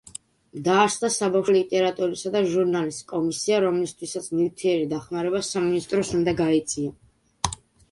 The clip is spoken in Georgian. დაარსდა საბავშვო ლიტერატურისა და ჟურნალის კომისია, რომლისთვისაც ნივთიერი დახმარება სამინისტროს უნდა გაეწია.